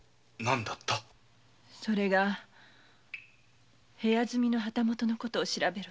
それが部屋住みの旗本のことを調べろと。